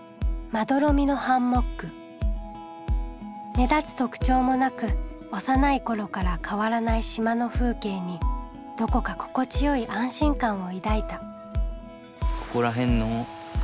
目立つ特徴もなく幼い頃から変わらない島の風景にどこか心地よい安心感を抱いた。